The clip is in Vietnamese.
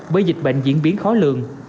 bởi dịch bệnh diễn biến khó lường